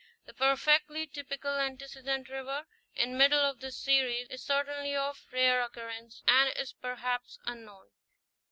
The perfectly typical antecedent river, in the middle of this series, is certainly of rare occurrence, and is perhaps unknown.